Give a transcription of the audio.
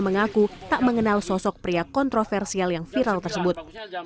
mengaku tak mengenal sosok pria kontroversial yang viral tersebut